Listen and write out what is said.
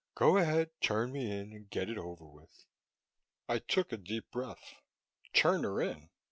"Go ahead, turn me in and get it over with." I took a deep breath. Turn her in?